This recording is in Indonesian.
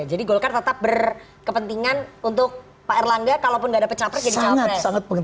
jadi golkar tetap berkepentingan untuk pak erlangga kalaupun gak ada pecah pecah jadi capres